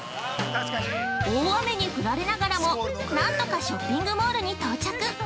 ◆大雨に降られながらも、何とかショッピングモールに到着。